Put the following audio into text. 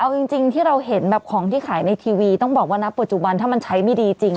เอาจริงที่เราเห็นแบบของที่ขายในทีวีต้องบอกว่าณปัจจุบันถ้ามันใช้ไม่ดีจริง